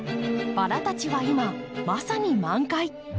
バラたちは今まさに満開。